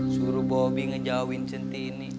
suruh bobi ngejauhin centini